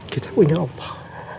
kita punya allah